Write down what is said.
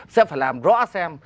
sẽ phải làm rõ xem